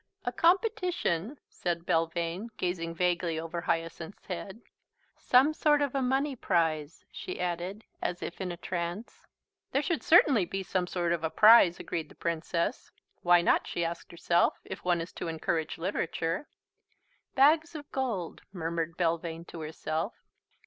"A competition," said Belvane, gazing vaguely over Hyacinth's head. "Some sort of a money prize," she added, as if in a trance. "There should certainly be some sort of a prize," agreed the Princess. (Why not, she asked herself, if one is to encourage literature?) "Bags of gold," murmured Belvane to herself.